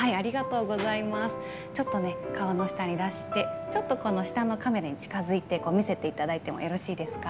ちょっと顔の下に出してこの下のカメラに近づいて見せていただいてもよろしいですか。